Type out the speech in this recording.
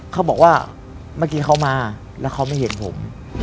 เขาบอกว่าเมื่อกี้เขามาแล้วเขาไม่เห็นผม